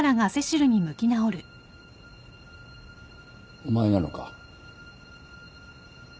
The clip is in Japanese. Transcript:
お前なのか？